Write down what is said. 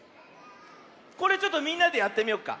これちょっとみんなでやってみよっか。